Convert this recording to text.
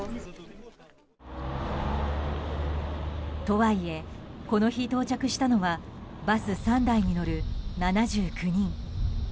とはいえ、この日到着したのはバス３台に乗る７９人。